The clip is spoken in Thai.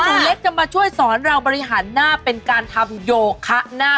หนูเล็กจะมาช่วยสอนเราบริหารหน้าเป็นการทำโยคะหน้า